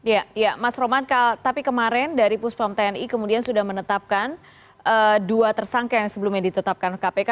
ya mas roman tapi kemarin dari puspom tni kemudian sudah menetapkan dua tersangka yang sebelumnya ditetapkan kpk